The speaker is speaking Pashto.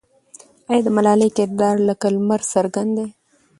آیا د ملالۍ کردار لکه لمر څرګند دی؟